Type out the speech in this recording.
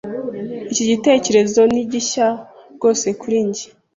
Iki gitekerezo ni gishya rwose kuri njye.